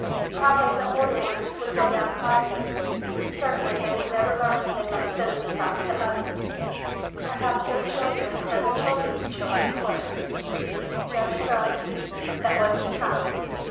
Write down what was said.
Probably the older ones would go down fighting; certainly they would never learn that they must bend themselves to others. Perhaps their children, or their children's children, would. Jeff shrugged. That was to come.